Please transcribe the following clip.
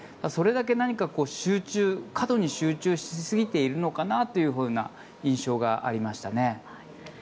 それだけ過度に集中しすぎているのかなという印象がありましたね。